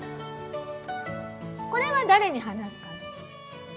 これは誰に話すかな？